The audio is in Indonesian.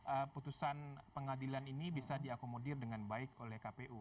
masih mempertimbangkan segala aspek agar semua putusan pengadilan ini bisa diakomodir dengan baik oleh kpu